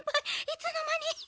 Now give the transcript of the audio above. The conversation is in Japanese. いつの間に。